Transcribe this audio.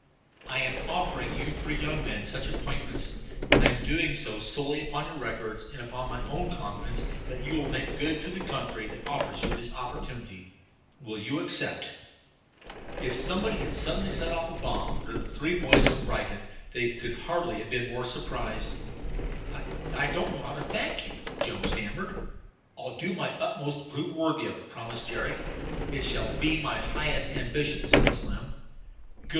"I am offering you three young men such appointments. I am doing so solely upon your records and upon my own confidence that you will make good to the country that offers you this opportunity. Will you accept?" If someone had suddenly set off a bomb under the three boys from Brighton they hardly could have been more surprised. "I don't know how to thank you," Joe stammered. "I'll do my utmost to prove worth it," promised Jerry. "It shall be my highest ambition," said Slim. "Good!"